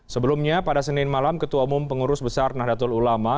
sebelumnya pada senin malam ketua umum pengurus besar nahdlatul ulama